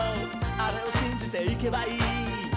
あれをしんじていけばいい」